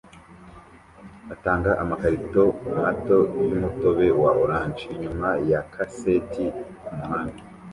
atanga amakarito mato yumutobe wa orange inyuma ya kaseti kumuhanda